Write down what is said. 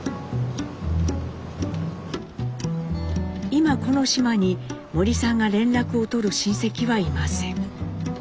今この島に森さんが連絡を取る親戚はいません。